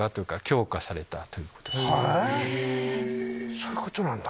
そういうことなんだ。